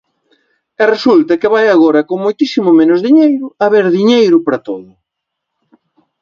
E resulta que vai agora con moitísimo menos diñeiro haber diñeiro para todo.